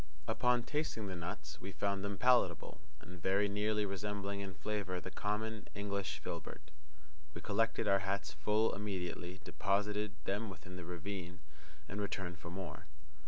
Upon tasting the nuts we found them palatable, and very nearly resembling in flavour the common English filbert. We collected our hats full immediately, deposited them within the ravine, and returned for more.